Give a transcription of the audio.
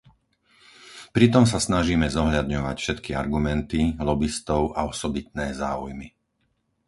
Pritom sa snažíme zohľadňovať všetky argumenty, lobistov a osobitné záujmy.